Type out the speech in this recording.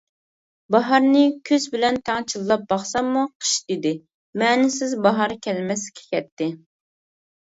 باھارنى كۈز بىلەن تەڭ چىللاپ باقساممۇ، قىش دېدى «مەنىسىز باھار كەلمەسكە كەتتى!».